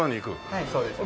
はいそうですね。